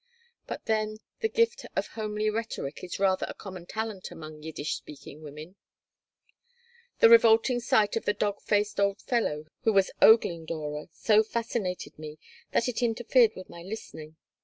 But then the gift of homely rhetoric is rather a common talent among Yiddish speaking women The revolting sight of the dog faced old fellow who was ogling Dora so fascinated me that it interfered with my listening.